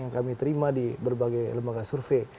yang kami terima di berbagai lembaga survei